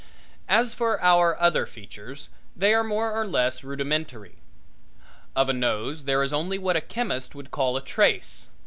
As for our other features, they are more or less rudimentary. Of a nose there is only what a chemist would call a trace.